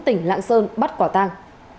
tỉnh lạng sơn bắt quả tăng